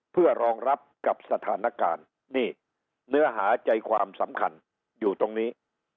เพื่อรองรับกับสถานการณ์นี่เนื้อหาใจความสำคัญอยู่ตรงนี้